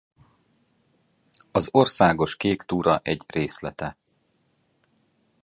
Az országos kéktúra egy részlete.